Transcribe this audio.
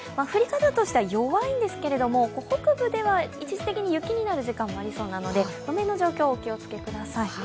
降り方としては弱いんですけど北部では一時的に雪になる時間もありますので路面の状況、お気をつけください。